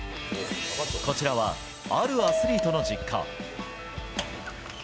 こちらは、あるアスリートの実家。